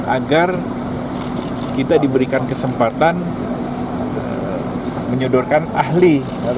agar kita diberikan kesempatan menyodorkan ahli